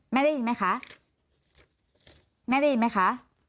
ได้ยินไหมคะแม่ได้ยินไหมคะ